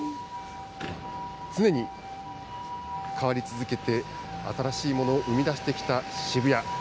常に変わり続けて、新しいものを生み出してきた渋谷。